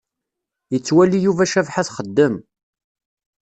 Yettwali Yuba Cabḥa txeddem.